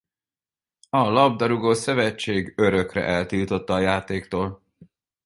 A labdarúgó-szövetség örökre eltiltotta a játéktól.